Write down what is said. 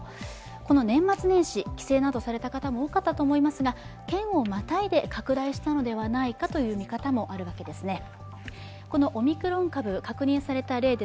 この年末年始、帰省などされた方も多かったと思いますが県をまたいで拡大したのではないかという見方もあるわけです。